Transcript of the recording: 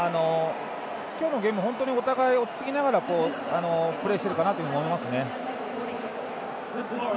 今日のゲーム、本当にお互い落ち着きながらプレーしているかなと思いますね。